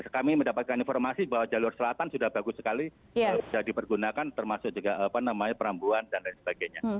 kami mendapatkan informasi bahwa jalur selatan sudah bagus sekali sudah dipergunakan termasuk juga perambuan dan lain sebagainya